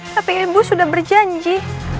tapi ibu sudah berjanji